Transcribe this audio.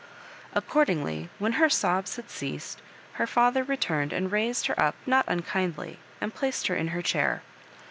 Accordingly, when her sobs had ceased, her father returned and raised her up not unkindly, and. placed her in her chair.